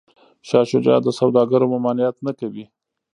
شاه شجاع د سوداګرو ممانعت نه کوي.